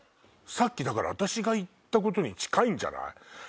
さっきだから私が言ったことに近いんじゃない？